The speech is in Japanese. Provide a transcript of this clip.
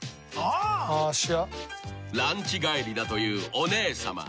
［ランチ帰りだというお姉さま］